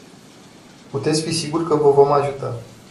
Puteți fi siguri că vă vom ajuta.